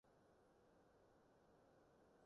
你想要煲藥定藥粉呀